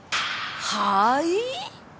はい？